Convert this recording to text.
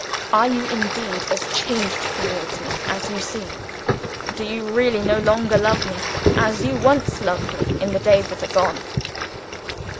Are you indeed as changed towards me as you seem? Do you really no longer love me as you once loved me in the days that are gone?"